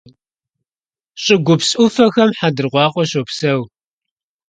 ЩӀыгупс Ӏуфэхэм хъэндыркъуакъуэ щопсэу.